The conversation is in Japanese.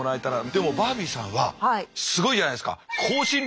でもバービーさんはすごいじゃないですか。